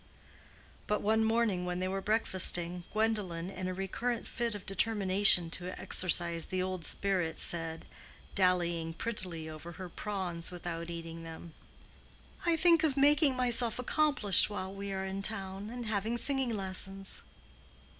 But one morning when they were breakfasting, Gwendolen, in a recurrent fit of determination to exercise the old spirit, said, dallying prettily over her prawns without eating them, "I think of making myself accomplished while we are in town, and having singing lessons."